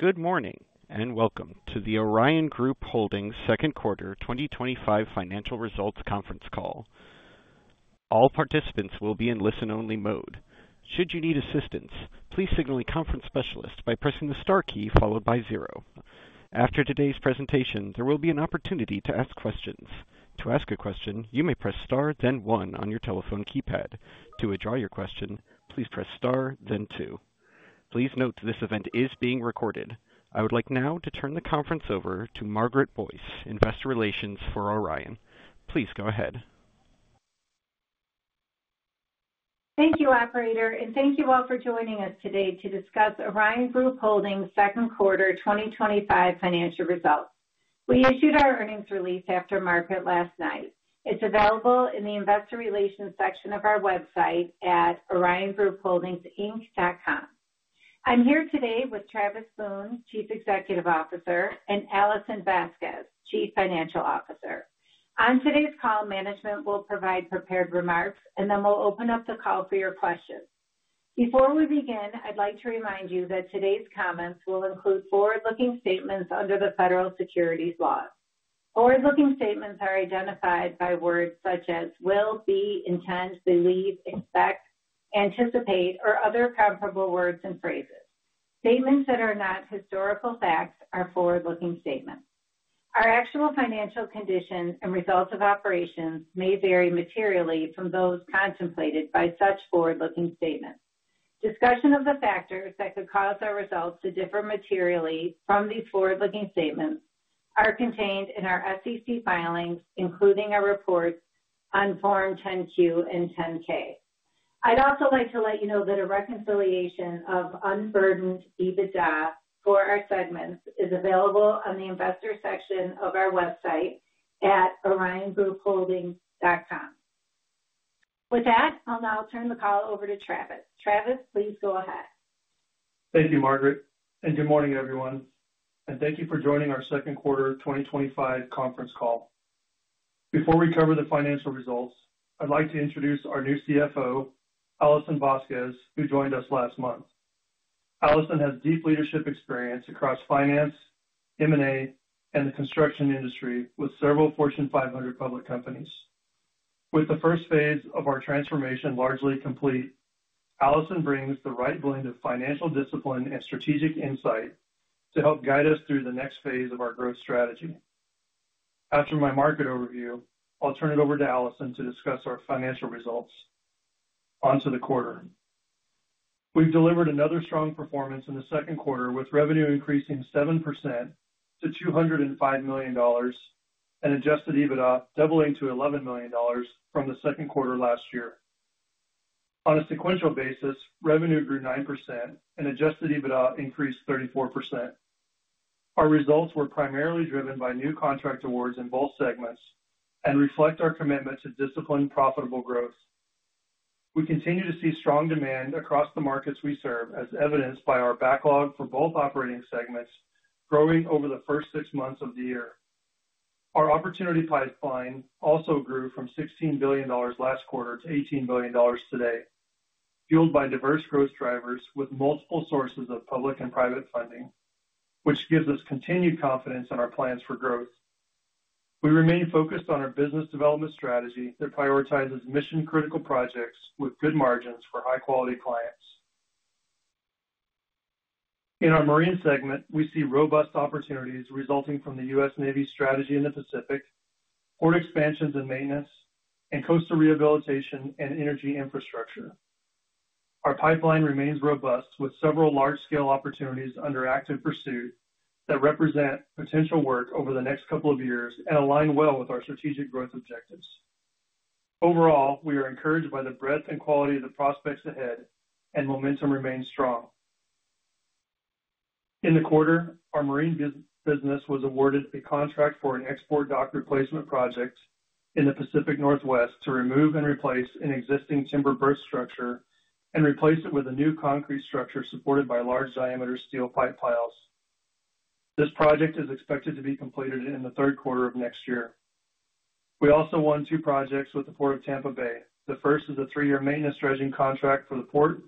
Good morning and welcome to the Orion Group Holdings' second quarter 2025 financial results conference call. All participants will be in listen-only mode. Should you need assistance, please signal a conference specialist by pressing the star key followed by zero. After today's presentation, there will be an opportunity to ask questions. To ask a question, you may press star, then one on your telephone keypad. To withdraw your question, please press star, then two. Please note this event is being recorded. I would like now to turn the conference over to Margaret Boyce, Investor Relations for Orion. Please go ahead. Thank you, operator, and thank you all for joining us today to discuss Orion Group Holdings' second quarter 2025 financial results. We issued our earnings release after market last night. It's available in the investor relations section of our website at OrionGroupHoldingsInc.com. I'm here today with Travis Boone, Chief Executive Officer, and Alison Vasquez, Chief Financial Officer. On today's call, management will provide prepared remarks, and then we'll open up the call for your questions. Before we begin, I'd like to remind you that today's comments will include forward-looking statements under the Federal Securities Law. Forward-looking statements are identified by words such as will, be, intend, believe, expect, anticipate, or other comparable words and phrases. Statements that are not historical facts are forward-looking statements. Our actual financial condition and results of operations may vary materially from those contemplated by such forward-looking statements. Discussion of the factors that could cause our results to differ materially from these forward-looking statements are contained in our SEC filings, including our reports on Form 10-Q and 10-K. I'd also like to let you know that a reconciliation of adjusted EBITDA for our segments is available on the investor section of our website at OrionGroupHoldingsInc.com. With that, I'll now turn the call over to Travis. Travis, please go ahead. Thank you, Margaret, and good morning, everyone, and thank you for joining our second quarter 2025 conference call. Before we cover the financial results, I'd like to introduce our new CFO, Alison Vasquez, who joined us last month. Alison has deep leadership experience across finance, M&A, and the construction industry, with several Fortune 500 public companies. With the first phase of our transformation largely complete, Alison brings the right blend of financial discipline and strategic insight to help guide us through the next phase of our growth strategy. After my market overview, I'll turn it over to Alison to discuss our financial results. On to the quarter. We've delivered another strong performance in the second quarter, with revenue increasing 7% to $205 million and adjusted EBITDA doubling to $11 million from the second quarter last year. On a sequential basis, revenue grew 9% and adjusted EBITDA increased 34%. Our results were primarily driven by new contract awards in both segments and reflect our commitment to disciplining profitable growth. We continue to see strong demand across the markets we serve, as evidenced by our backlog for both operating segments growing over the first six months of the year. Our opportunity pipeline also grew from $16 billion last quarter to $18 billion today, fueled by diverse growth drivers with multiple sources of public and private funding, which gives us continued confidence in our plans for growth. We remain focused on our business development strategy that prioritizes mission-critical projects with good margins for high-quality clients. In our marine segment, we see robust opportunities resulting from the U.S. Navy's strategy in the Pacific, port expansions and maintenance, and coastal rehabilitation and energy infrastructure. Our pipeline remains robust, with several large-scale opportunities under active pursuit that represent potential work over the next couple of years and align well with our strategic growth objectives. Overall, we are encouraged by the breadth and quality of the prospects ahead, and momentum remains strong. In the quarter, our marine business was awarded a contract for an export dock replacement project in the Pacific Northwest to remove and replace an existing timber berth structure and replace it with a new concrete structure supported by large-diameter steel pipe piles. This project is expected to be completed in the third quarter of next year. We also won two projects with the Port of Tampa Bay. The first is a three-year maintenance dredging contract for the port,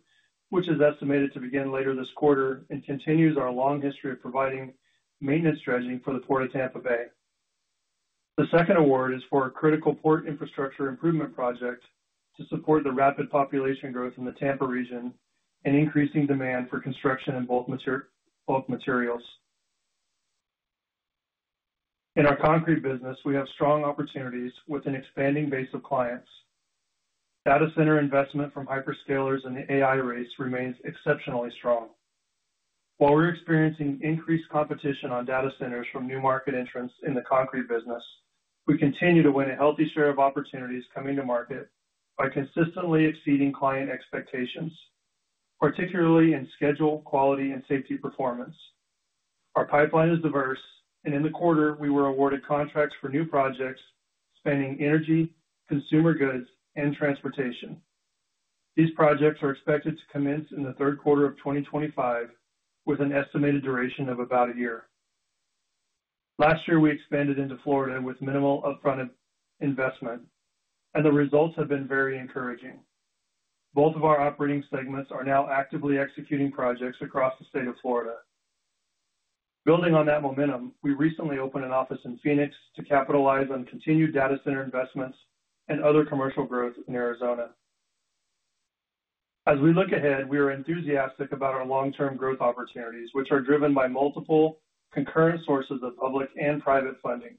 which is estimated to begin later this quarter and continues our long history of providing maintenance dredging for the Port of Tampa Bay. The second award is for a critical port infrastructure improvement project to support the rapid population growth in the Tampa region and increasing demand for construction in bulk materials. In our concrete business, we have strong opportunities with an expanding base of clients. Data center investment from hyperscalers in the AI race remains exceptionally strong. While we're experiencing increased competition on data centers from new market entrants in the concrete business, we continue to win a healthy share of opportunities coming to market by consistently exceeding client expectations, particularly in schedule, quality, and safety performance. Our pipeline is diverse, and in the quarter, we were awarded contracts for new projects spanning energy, consumer goods, and transportation. These projects are expected to commence in the third quarter of 2025, with an estimated duration of about a year. Last year, we expanded into Florida with minimal upfront investment, and the results have been very encouraging. Both of our operating segments are now actively executing projects across the state of Florida. Building on that momentum, we recently opened an office in Phoenix to capitalize on continued data center investments and other commercial growth in Arizona. As we look ahead, we are enthusiastic about our long-term growth opportunities, which are driven by multiple concurrent sources of public and private funding.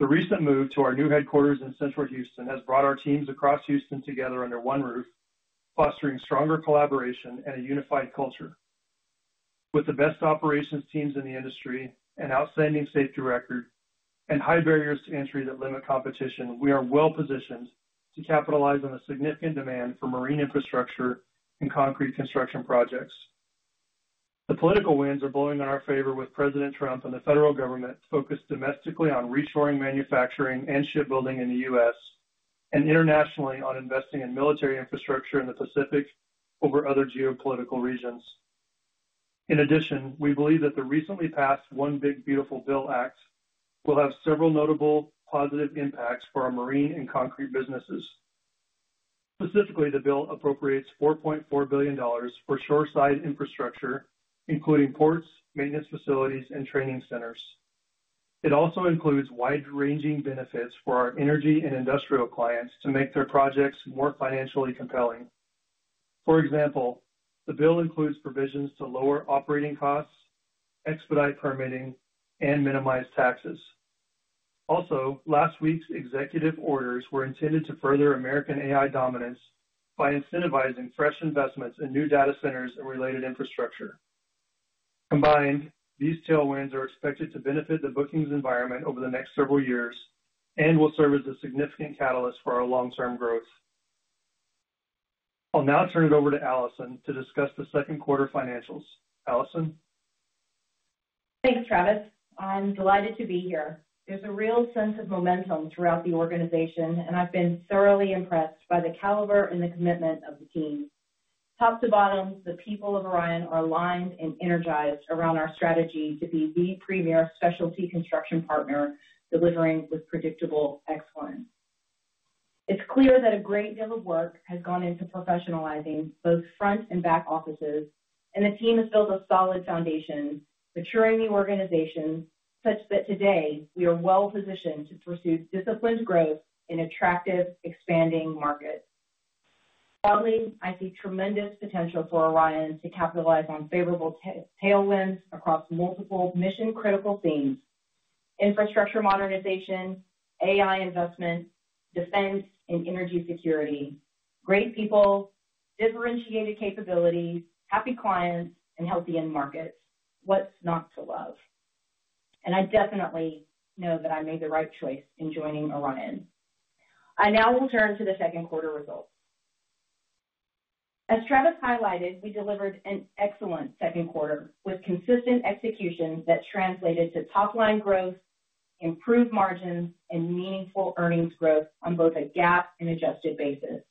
The recent move to our new headquarters in central Houston has brought our teams across Houston together under one roof, fostering stronger collaboration and a unified culture. With the best operations teams in the industry, an outstanding safety record, and high barriers to entry that limit competition, we are well positioned to capitalize on the significant demand for marine infrastructure and concrete construction projects. The political winds are blowing in our favor with President Trump and the federal government focused domestically on reshoring manufacturing and shipbuilding in the U.S. and internationally on investing in military infrastructure in the Pacific over other geopolitical regions. In addition, we believe that the recently passed One Big Beautiful Bill Act will have several notable positive impacts for our marine and concrete businesses. Specifically, the bill appropriates $4.4 billion for shoreside infrastructure, including ports, maintenance facilities, and training centers. It also includes wide-ranging benefits for our energy and industrial clients to make their projects more financially compelling. For example, the bill includes provisions to lower operating costs, expedite permitting, and minimize taxes. Also, last week's executive orders were intended to further American AI dominance by incentivizing fresh investments in new data centers and related infrastructure. Combined, these tailwinds are expected to benefit the bookings environment over the next several years and will serve as a significant catalyst for our long-term growth. I'll now turn it over to Alison to discuss the second quarter financials. Alison? Thanks, Travis. I'm delighted to be here. There's a real sense of momentum throughout the organization, and I've been thoroughly impressed by the caliber and the commitment of the team. Top to bottom, the people of Orion are aligned and energized around our strategy to be the premier specialty construction partner delivering with predictable excellence. It's clear that a great deal of work has gone into professionalizing both front and back offices, and the team has built a solid foundation, maturing the organization such that today we are well positioned to pursue disciplined growth in an attractive, expanding market. I see tremendous potential for Orion to capitalize on favorable tailwinds across multiple mission-critical themes: infrastructure modernization, AI investment, defense, and energy security, great people, differentiating capability, happy clients, and healthy end market. What's not to love? I definitely know that I made the right choice in joining Orion. I now return to the second quarter results. As Travis highlighted, we delivered an excellent second quarter with consistent execution that translated to top-line growth, improved margins, and meaningful earnings growth on both a GAAP and adjusted basis.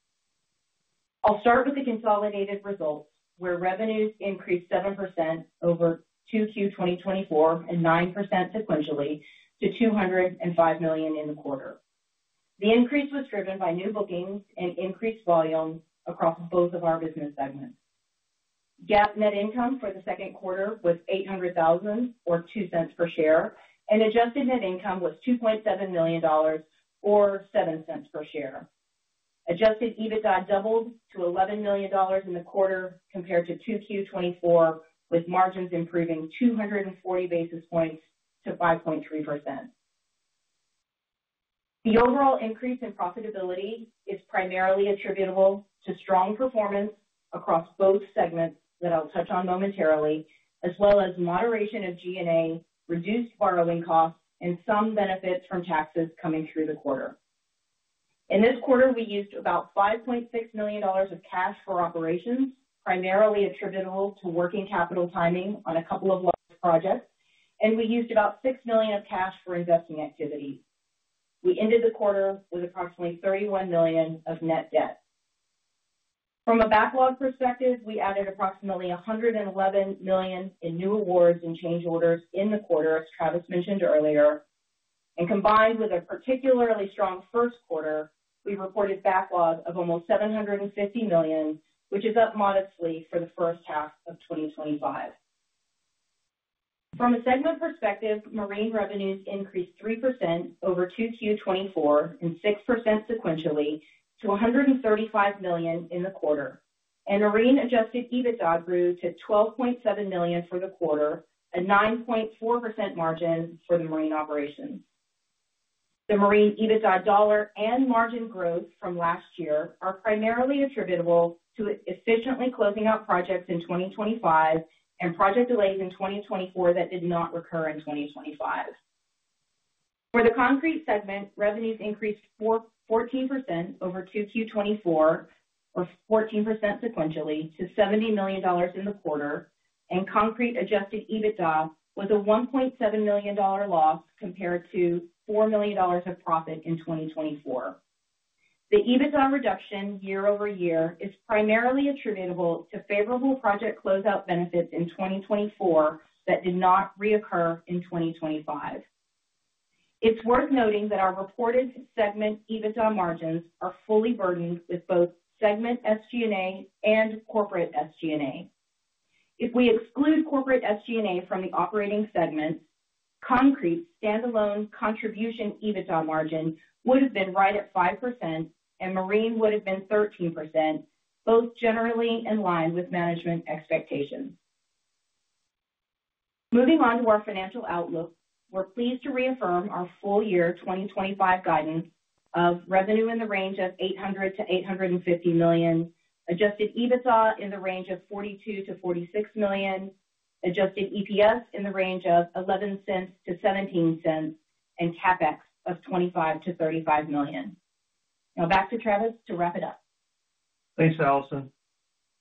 I'll start with the consolidated results, where revenues increased 7% over Q2 2024 and 9% sequentially to $205 million in the quarter. The increase was driven by new bookings and increased volume across both of our business segments. GAAP net income for the second quarter was $800,000 or $0.02 per share, and adjusted net income was $2.7 million or $0.07 per share. Adjusted EBITDA doubled to $11 million in the quarter compared to Q2 2024, with margins improving 240 basis points to 5.3%. The overall increase in profitability is primarily attributable to strong performance across both segments that I'll touch on momentarily, as well as moderation of G&A, reduced borrowing costs, and some benefits from taxes coming through the quarter. In this quarter, we used about $5.6 million of cash for operations, primarily attributable to working capital timing on a couple of projects, and we used about $6 million of cash for investing activities. We ended the quarter with approximately $31 million of net debt. From a backlog perspective, we added approximately $111 million in new awards and change orders in the quarter, as Travis mentioned earlier. Combined with a particularly strong first quarter, we recorded a backlog of almost $750 million, which is up modestly for the first half of 2025. From a segment perspective, marine revenues increased 3% over Q2 2024 and 6% sequentially to $135 million in the quarter, and marine adjusted EBITDA grew to $12.7 million for the quarter, a 9.4% margin for the marine operations. The marine EBITDA dollar and margin growth from last year are primarily attributable to efficiently closing out projects in 2025 and project delays in 2024 that did not recur in 2025. For the concrete segment, revenues increased 14% over Q2 2024, or 14% sequentially, to $70 million in the quarter, and concrete adjusted EBITDA was a $1.7 million loss compared to $4 million of profit in 2024. The EBITDA reduction year-over-year is primarily attributable to favorable project closeout benefits in 2024 that did not reoccur in 2025. It's worth noting that our reported segment EBITDA margins are fully burdened with both segment SG&A and corporate SG&A. If we exclude corporate SG&A from the operating segment, concrete standalone contribution EBITDA margins would have been right at 5%, and marine would have been 13%, both generally in line with management expectations. Moving on to our financial outlook, we're pleased to reaffirm our full-year 2025 guidance of revenue in the range of $800 million-$850 million, adjusted EBITDA in the range of $42 million-$46 million, adjusted EPS in the range of $0.11-$0.17, and CapEx of $25 million-$35 million. Now back to Travis to wrap it up. Thanks, Alison.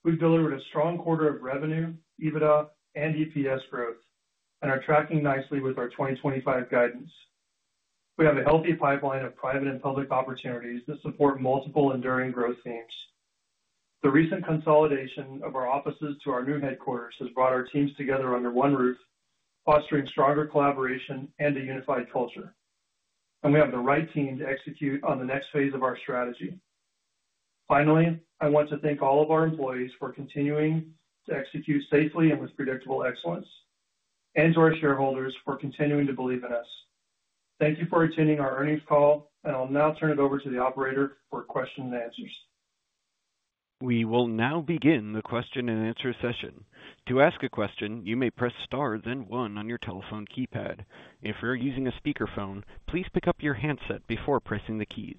We've delivered a strong quarter of revenue, EBITDA, and EPS growth, and are tracking nicely with our 2025 guidance. We have a healthy pipeline of private and public opportunities to support multiple enduring growth themes. The recent consolidation of our offices to our new headquarters has brought our teams together under one roof, fostering stronger collaboration and a unified culture. We have the right team to execute on the next phase of our strategy. Finally, I want to thank all of our employees for continuing to execute safely and with predictable excellence, and to our shareholders for continuing to believe in us. Thank you for attending our earnings call, and I'll now turn it over to the operator for questions and answers. We will now begin the question and answer session. To ask a question, you may press star, then one on your telephone keypad. If you're using a speakerphone, please pick up your handset before pressing the keys.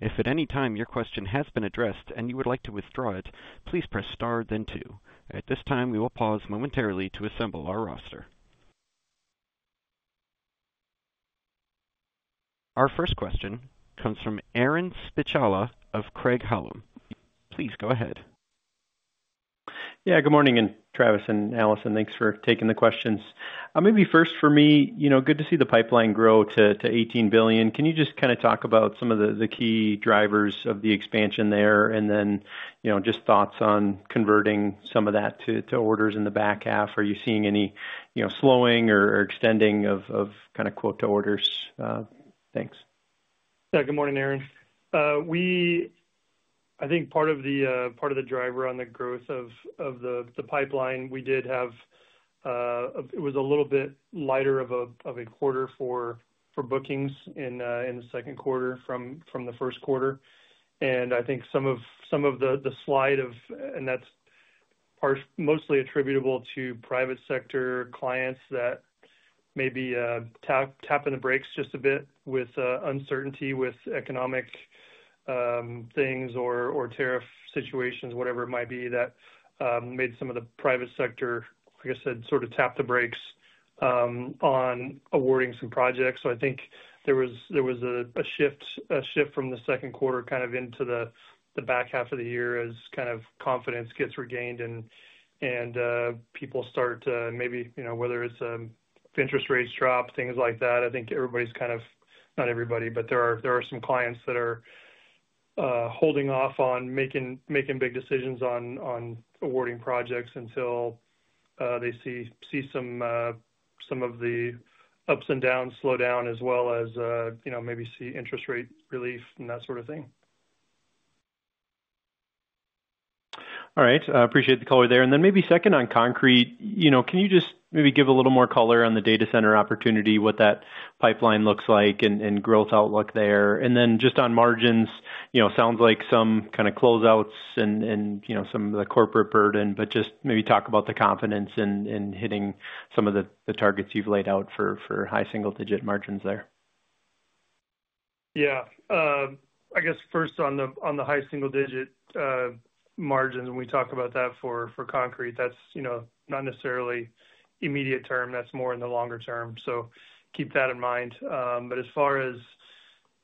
If at any time your question has been addressed and you would like to withdraw it, please press star, then two. At this time, we will pause momentarily to assemble our roster. Our first question comes from Aaron Spychalla of Craig-Hallum. Please go ahead. Good morning, Travis and Alison. Thanks for taking the questions. Maybe first for me, good to see the pipeline grow to $18 billion. Can you just kind of talk about some of the key drivers of the expansion there, and then just thoughts on converting some of that to orders in the back half? Are you seeing any slowing or extending of kind of quote to orders? Thanks. Yeah, good morning, Aaron. I think part of the driver on the growth of the pipeline, we did have, it was a little bit lighter of a quarter for bookings in the second quarter from the first quarter. I think some of the slide of, and that's mostly attributable to private sector clients that maybe tapped on the brakes just a bit with uncertainty, with economic things or tariff situations, whatever it might be that made some of the private sector, like I said, sort of tap the brakes on awarding some projects. I think there was a shift from the second quarter into the back half of the year as confidence gets regained and people start to maybe, you know, whether it's interest rates drop, things like that. I think everybody's kind of, not everybody, but there are some clients that are holding off on making big decisions on awarding projects until they see some of the ups and downs slow down as well as, you know, maybe see interest rate relief and that sort of thing. All right, I appreciate the color there. Maybe second on concrete, can you just maybe give a little more color on the data center opportunity, what that pipeline looks like and growth outlook there? Just on margins, sounds like some kind of closeouts and some of the corporate burden, but maybe talk about the confidence in hitting some of the targets you've laid out for high single-digit margins there. Yeah, I guess first on the high single-digit margins, when we talk about that for concrete, that's not necessarily immediate term, that's more in the longer term. Keep that in mind. As far as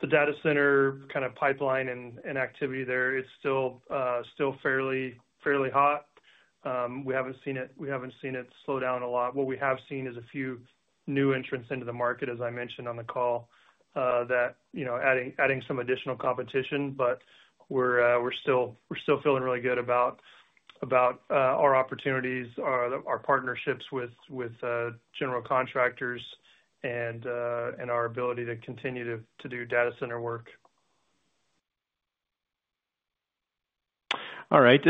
the data center kind of pipeline and activity there, it's still fairly hot. We haven't seen it slow down a lot. What we have seen is a few new entrants into the market, as I mentioned on the call, that are adding some additional competition, but we're still feeling really good about our opportunities, our partnerships with general contractors, and our ability to continue to do data center work. All right,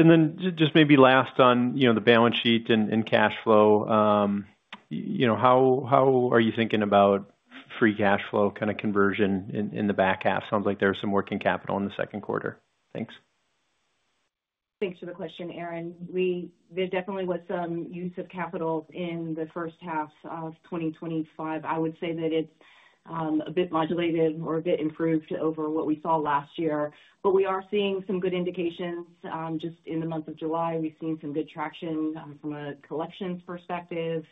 just maybe last on the balance sheet and cash flow, how are you thinking about free cash flow kind of conversion in the back half? Sounds like there's some working capital in the second quarter. Thanks. Thanks for the question, Aaron. There definitely was some use of capital in the first half of 2025. I would say that it's a bit modulated or a bit improved over what we saw last year. We are seeing some good indications. Just in the month of July, we've seen some good traction from a collections perspective.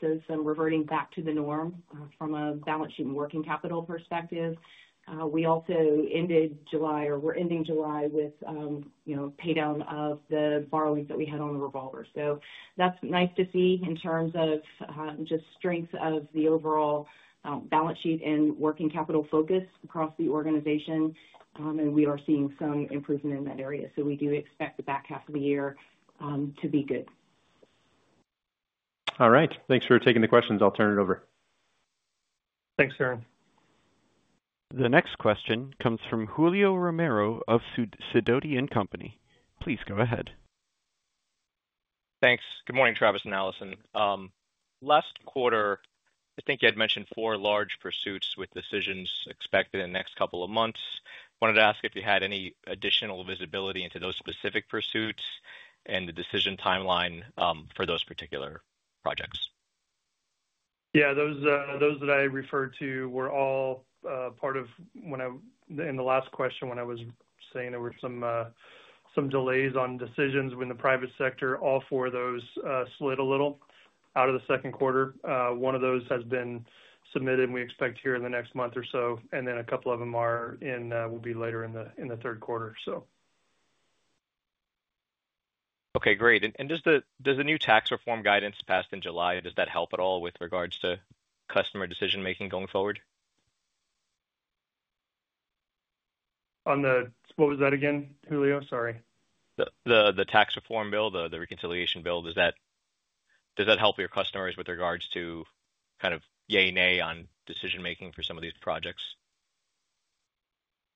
There is some reverting back to the norm from a balance sheet and working capital perspective. We also ended July, or we're ending July, with paydown of the borrowings that we had on the revolvers. That's nice to see in terms of just strength of the overall balance sheet and working capital focus across the organization. We are seeing some improvement in that area. We do expect the back half of the year to be good. All right, thanks for taking the questions. I'll turn it over. Thanks, Aaron. The next question comes from Julio Romero of Sidoti & Company. Please go ahead. Thanks. Good morning, Travis and Alison. Last quarter, I think you had mentioned four large pursuits with decisions expected in the next couple of months. Wanted to ask if you had any additional visibility into those specific pursuits and the decision timeline for those particular projects. Yeah, those that I referred to were all part of when I, in the last question, was saying there were some delays on decisions within the private sector. All four of those slid a little out of the second quarter. One of those has been submitted, and we expect here in the next month or so. A couple of them will be later in the third quarter. Okay, great. Does the new tax reform guidance passed in July help at all with regards to customer decision-making going forward? What was that again, Julio? Sorry. The tax reform bill, the reconciliation bill, does that help your customers with regards to kind of yay and nay on decision-making for some of these projects?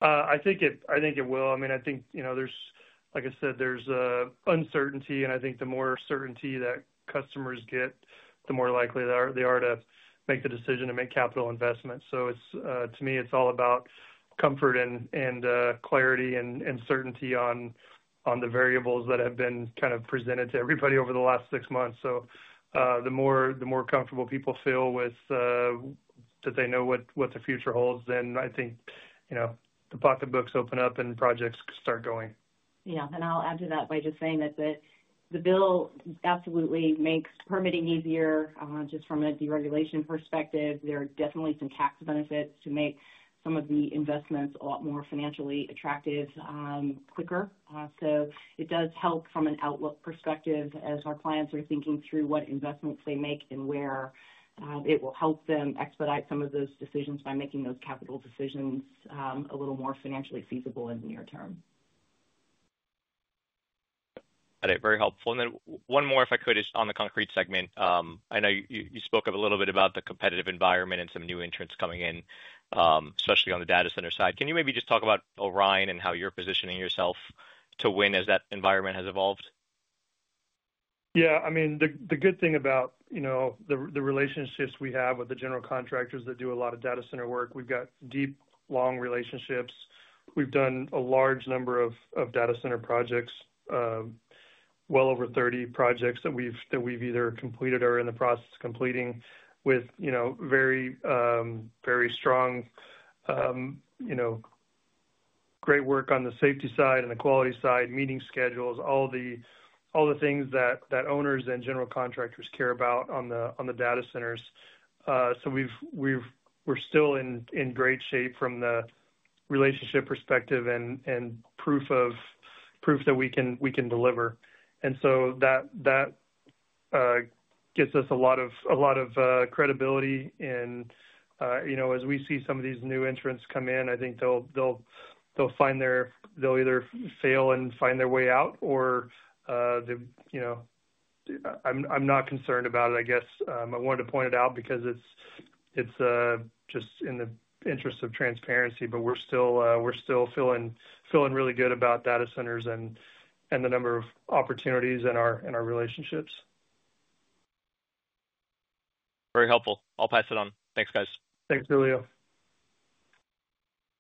I think it will. I mean, I think there's uncertainty, and I think the more certainty that customers get, the more likely they are to make the decision to make capital investments. To me, it's all about comfort and clarity and certainty on the variables that have been kind of presented to everybody over the last six months. The more comfortable people feel with that they know what the future holds, then I think the pocketbooks open up and projects start going. Yeah, I'll add to that by just saying that the bill absolutely makes permitting easier just from a deregulation perspective. There are definitely some tax benefits to make some of the investments a lot more financially attractive quicker. It does help from an outlook perspective as our clients are thinking through what investments they make and where. It will help them expedite some of those decisions by making those capital decisions a little more financially feasible in the near term. Got it. Very helpful. One more, if I could, is on the concrete segment. I know you spoke a little bit about the competitive environment and some new entrants coming in, especially on the data center side. Can you maybe just talk about Orion and how you're positioning yourself to win as that environment has evolved? Yeah, I mean, the good thing about the relationships we have with the general contractors that do a lot of data center work, we've got deep, long relationships. We've done a large number of data center projects, well over 30 projects that we've either completed or are in the process of completing with very, very strong, great work on the safety side and the quality side, meeting schedules, all the things that owners and general contractors care about on the data centers. We're still in great shape from the relationship perspective and proof that we can deliver. That gives us a lot of credibility. As we see some of these new entrants come in, I think they'll either fail and find their way out or, you know, I'm not concerned about it, I guess. I wanted to point it out because it's just in the interest of transparency, but we're still feeling really good about data centers and the number of opportunities in our relationships. Very helpful. I'll pass it on. Thanks, guys. Thanks, Julio.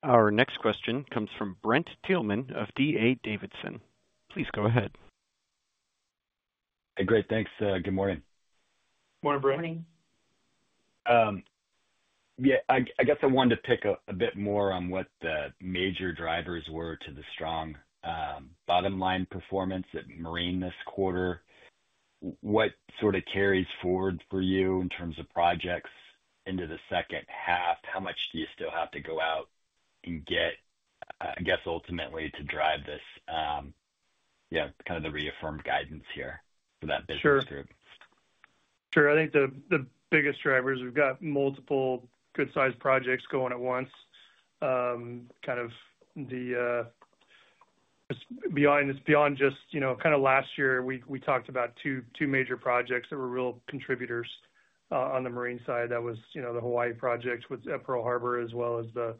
Our next question comes from Brent Thielman of D.A. Davidson. Please go ahead. Great, thanks. Good morning. Morning, Brent. Morning. I wanted to pick a bit more on what the major drivers were to the strong bottom line performance at marine this quarter. What sort of carries forward for you in terms of projects into the second half? How much do you still have to go out and get to drive this? Kind of the reaffirmed guidance here for that business. Sure. I think the biggest drivers, we've got multiple good-sized projects going at once. It's beyond just, you know, kind of last year, we talked about two major projects that were real contributors on the marine side. That was, you know, the Hawaii project with the Peal Harbor as well as the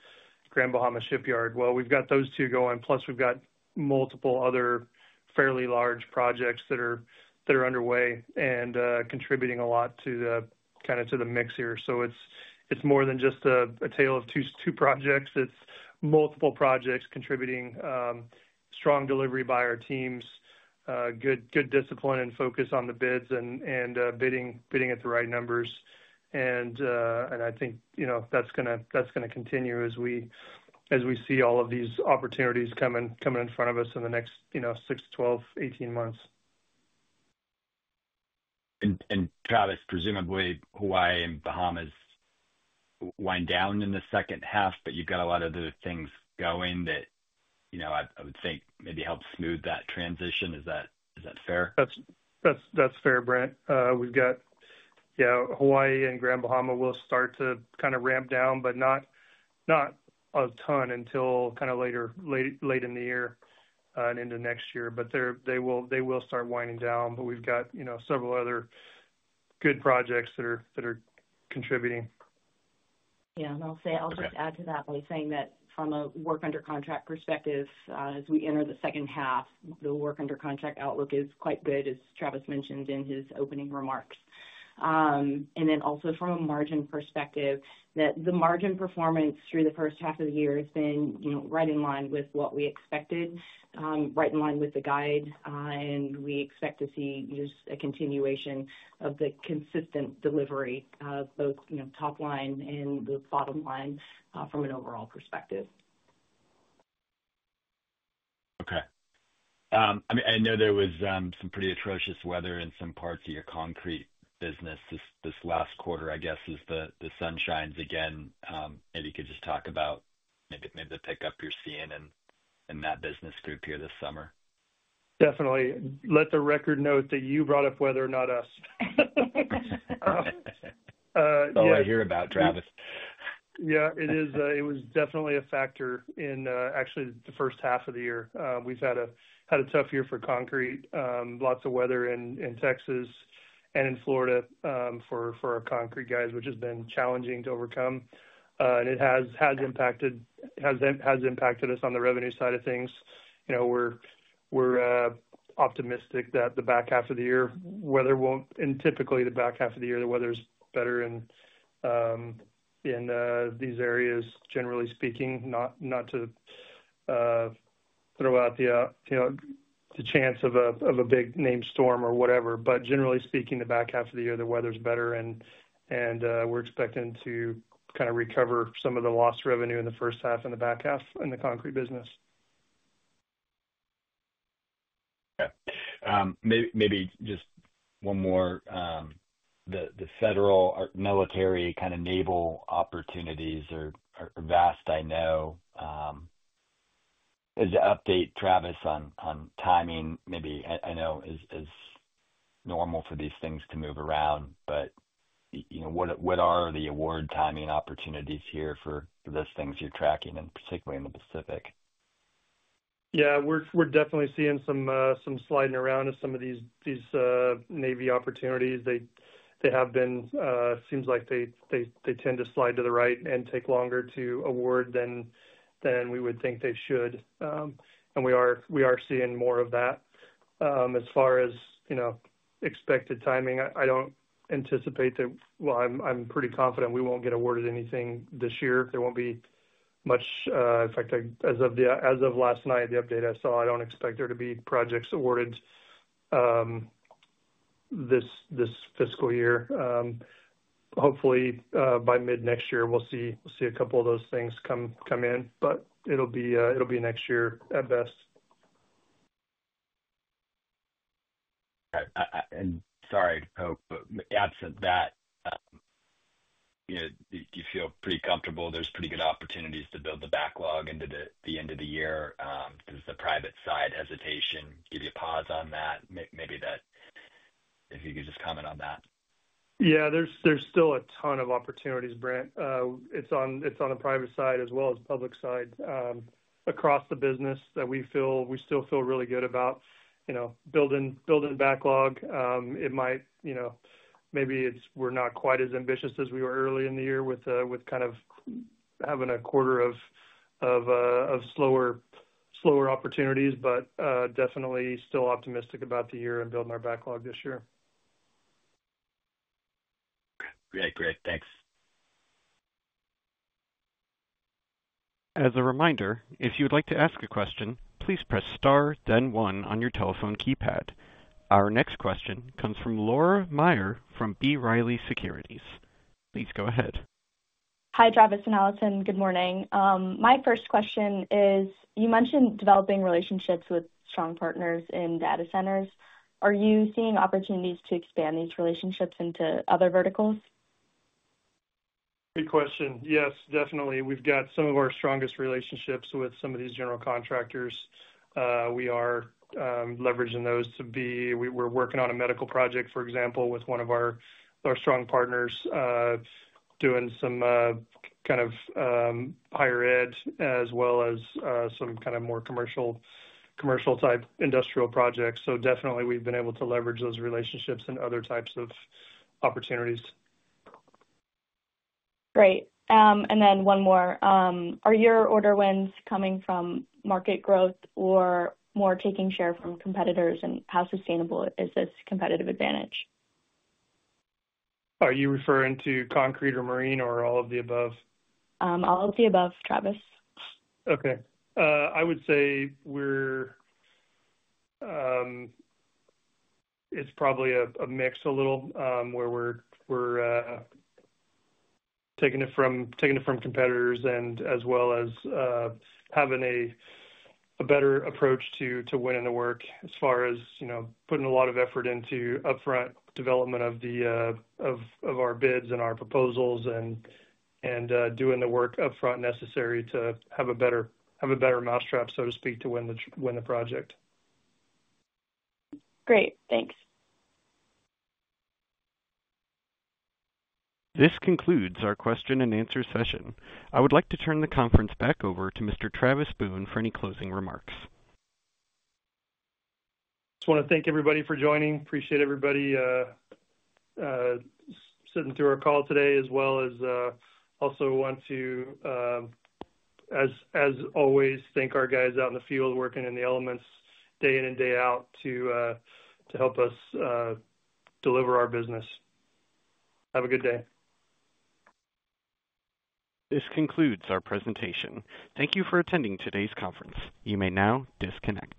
Grand Bahamas Shipyard. We've got those two going, plus we've got multiple other fairly large projects that are underway and contributing a lot to the mix here. It's more than just a tale of two projects. It's multiple projects contributing, strong delivery by our teams, good discipline and focus on the bids, and bidding at the right numbers. I think that's going to continue as we see all of these opportunities coming in front of us in the next, you know, 6 to 12, 18 months. Travis, presumably Hawaii and Bahamas wind down in the second half, but you've got a lot of other things going that, you know, I would think maybe help smooth that transition. Is that fair? That's fair, Brent. We've got Hawaii and Grand Bahamas will start to kind of ramp down, but not a ton until kind of later, late in the year and into next year. They will start winding down. We've got several other good projects that are contributing. I'll just add to that by saying that from a work under contract perspective, as we enter the second half, the work under contract outlook is quite good, as Travis mentioned in his opening remarks. Also, from a margin perspective, the margin performance through the first half of the year has been right in line with what we expected, right in line with the guide, and we expect to see just a continuation of the consistent delivery of both top line and the bottom line from an overall perspective. Okay. I mean, I know there was some pretty atrocious weather in some parts of your concrete construction business this last quarter. I guess, as the sun shines again, maybe you could just talk about maybe the pickup you're seeing in that business group here this summer. Definitely. Let the record note that you brought up weather and not us. Oh, I hear about Travis. Yeah, it was definitely a factor in actually the first half of the year. We've had a tough year for concrete, lots of weather in Texas and in Florida for our concrete guys, which has been challenging to overcome. It has impacted us on the revenue side of things. We're optimistic that the back half of the year, weather won't, and typically the back half of the year, the weather's better in these areas, generally speaking, not to throw out the chance of a big named storm or whatever. Generally speaking, the back half of the year, the weather's better, and we're expecting to kind of recover some of the lost revenue in the first half and the back half in the concrete business. Maybe just one more. The federal or military kind of naval opportunities are vast, I know. Is the update, Travis, on timing? I know it's normal for these things to move around, but you know, what are the award timing opportunities here for those things you're tracking, and particularly in the Pacific? Yeah, we're definitely seeing some sliding around in some of these Navy opportunities. They have been, it seems like they tend to slide to the right and take longer to award than we would think they should. We are seeing more of that. As far as expected timing, I don't anticipate that, I'm pretty confident we won't get awarded anything this year. There won't be much, in fact, as of last night, the update I saw, I don't expect there to be projects awarded this fiscal year. Hopefully, by mid-next year, we'll see a couple of those things come in, but it'll be next year at best. I hope, but absent that, you know, you feel pretty comfortable there's pretty good opportunities to build the backlog into the end of the year. Does the private side hesitation give you a pause on that? Maybe that, if you could just comment on that. Yeah, there's still a ton of opportunities, Brent. It's on the private side as well as the public side. Across the business that we feel, we still feel really good about building backlog. Maybe we're not quite as ambitious as we were early in the year with kind of having a quarter of slower opportunities, but definitely still optimistic about the year and building our backlog this year. Great, great. Thanks. As a reminder, if you'd like to ask a question, please press star, then one on your telephone keypad. Our next question comes from Laura Maher from B. Riley Securities. Please go ahead. Hi, Travis and Alison. Good morning. My first question is, you mentioned developing relationships with strong partners in data centers. Are you seeing opportunities to expand these relationships into other verticals? Good question. Yes, definitely. We've got some of our strongest relationships with some of these general contractors. We are leveraging those to be, we're working on a medical project, for example, with one of our strong partners, doing some kind of higher ed as well as some kind of more commercial-type industrial projects. We've been able to leverage those relationships and other types of opportunities. Great. One more. Are your order wins coming from market growth or more taking share from competitors, and how sustainable is this competitive advantage? Are you referring to concrete construction or marine construction or all of the above? All of the above, Travis. Okay. I would say it's probably a mix, a little where we're taking it from competitors as well as having a better approach to winning the work, as far as putting a lot of effort into upfront development of our bids and our proposals and doing the work upfront necessary to have a better mousetrap, so to speak, to win the project. Great. Thanks. This concludes our question and answer session. I would like to turn the conference back over to Mr. Travis Boone for any closing remarks. I just want to thank everybody for joining. Appreciate everybody sitting through our call today, as well as also want to, as always, thank our guys out in the field working in the elements day in and day out to help us deliver our business. Have a good day. This concludes our presentation. Thank you for attending today's conference. You may now disconnect.